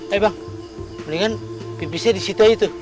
eh bang mendingan pipisnya di situ aja tuh